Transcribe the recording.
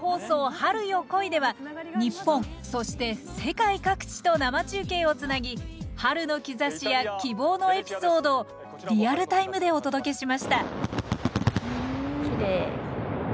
春よ、来い！」では日本そして世界各地と生中継をつなぎ春の兆しや希望のエピソードをリアルタイムでお届けしましたきれい。